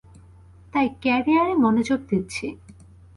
তাই ক্যারিয়ারে মনোযোগ দিচ্ছি।